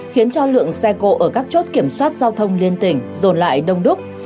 khiến cho lượng xe cộ ở các chốt kiểm soát giao thông liên tỉnh rồn lại đông đúc